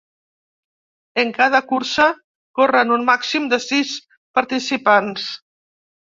En cada cursa corren un màxim de sis participants.